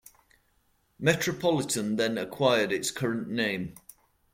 Metropolitan then acquired its current name.